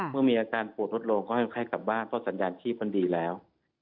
พอมีอาการกลงก็ให้พวกมันกลับถึงบ้านเพราะสัญญาณขี้พนตรีแล้ว